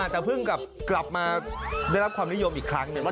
แต่เพิ่งกลับมาได้รับความนิยมอีกครั้งหนึ่ง